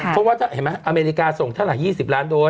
เพราะว่าถ้าเห็นไหมอเมริกาส่งเท่าไหร่๒๐ล้านโดส